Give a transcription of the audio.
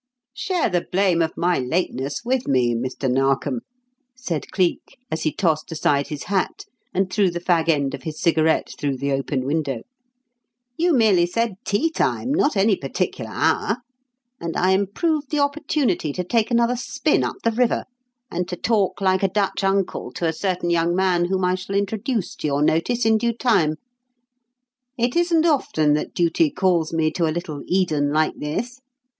"Share the blame of my lateness with me, Mr. Narkom," said Cleek as he tossed aside his hat and threw the fag end of his cigarette through the open window. "You merely said 'tea time,' not any particular hour; and I improved the opportunity to take another spin up the river and to talk like a Dutch uncle to a certain young man whom I shall introduce to your notice in due time. It isn't often that duty calls me to a little Eden like this.